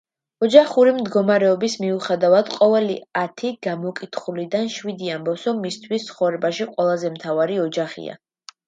ოჯახური მდგომარეობის მიუხედავად, ყოველი ათი გამოკითხულიდან შვიდი ამბობს, რომ მისთვის ცხოვრებაში ყველაზე მთავარი ოჯახია.